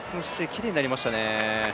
きれいになりましたね。